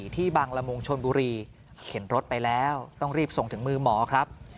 ที่บางละมุงชนบุรีเข็นรถไปแล้วต้องรีบส่งถึงมือหมอครับ